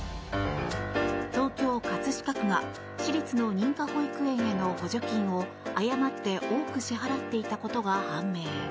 東京・葛飾区が私立の認可保育園への補助金を誤って多く支払っていたことが判明。